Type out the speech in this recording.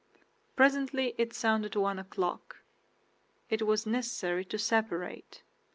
Presently it sounded one o'clock. It was necessary to separate.